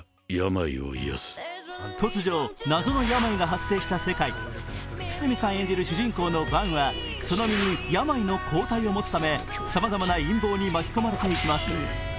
突如、謎の病が発生した世界、堤さん演じる主人公のヴァンはその身に病の抗体を持つため、さまざまな陰謀に巻き込まれていきます。